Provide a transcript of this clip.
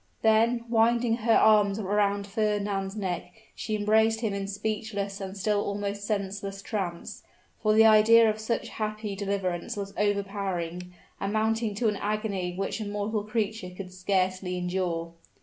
Then, winding her arms round Fernand's neck, she embraced him in speechless and still almost senseless trance, for the idea of such happy deliverance was overpowering amounting to an agony which a mortal creature could scarcely endure.